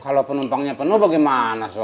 kalau penumpangnya penuh bagaimana